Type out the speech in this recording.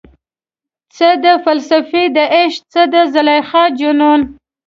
څه ده فلسفه دعشق، څه د زلیخا جنون؟